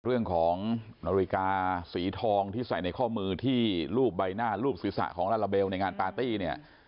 เรื่องราวนาฬิกาสีทองที่ใส่ในข้อมือที่รูปใบหน้ารูปศีรษะของลาลาเบลในงานปาร์ตี้เนี่ย